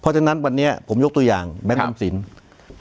เพราะฉะนั้นวันนี้ผมยกตัวอย่างแม่ออมสิน